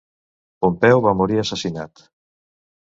Pompeu va morir assassinat.